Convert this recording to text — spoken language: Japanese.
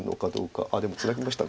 でもツナぎました。